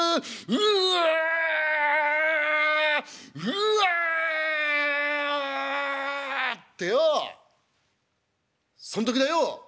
ううっ！』ってよそん時だよ